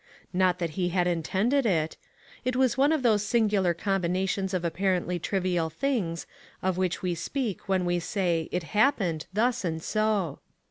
Not that he had intended it. It was one of those singular combinations of apparently trivial things, of which we speak when we say "it happened, thus and so."